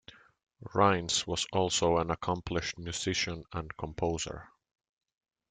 Rines was also an accomplished musician and composer.